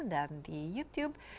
dan di youtube